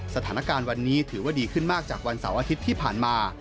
สถานการณ์วันนี้ถือว่าดีขึ้นมากจากวันเสาร์อาทิตย์ที่ผ่านมา